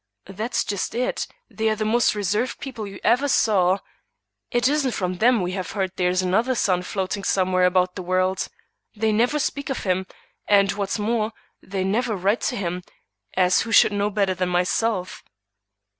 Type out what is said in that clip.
"That's just it; they are the most reserved people you ever saw. It isn't from them we have heard there is another son floating somewhere about the world. They never speak of him, and what's more, they never write to him; as who should know better than myself?"